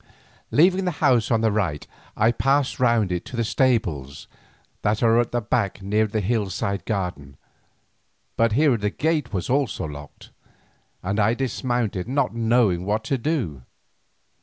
Leaving the house on the right I passed round it to the stables that are at the back near the hillside garden, but here the gate was locked also, and I dismounted not knowing what to do.